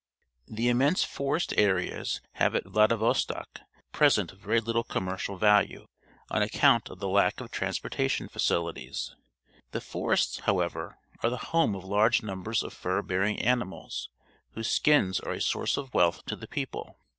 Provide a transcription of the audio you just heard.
The immense for est areas have at Vladivostok, present very little commercial value, on ac count of the lack of transportation facilities. The forests, however, are the home of large numbers of fur bearing animals, whose skins are a source of wealth to the people.